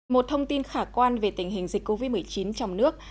một thông tin khả quan về tình hình dịch covid một mươi chín trong nước